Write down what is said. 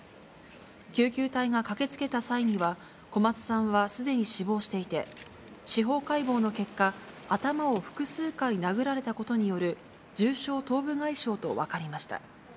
救急隊が駆けつけた際には、小松さんはすでに死亡していて、司法解剖の結果、頭を複数回殴られたことによる、重症頭部外傷と分かりました。